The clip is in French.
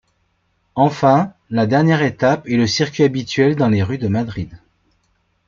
Enfin, la dernière étape est le circuit habituel dans les rues de Madrid.